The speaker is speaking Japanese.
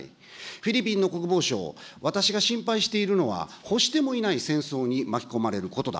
フィリピンの国防相、私が心配しているのは、欲してもいない戦争に巻き込まれることだ。